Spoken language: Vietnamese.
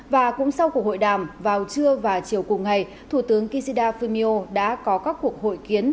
và cũng sau cuộc hội đàm vào trưa và chiều cùng ngày thủ tướng kishida fumio đã có các cuộc hội kiến